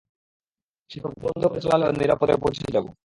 সে চোখ বন্ধ করে চালালেও নিরাপদে পৌঁছে যাবো।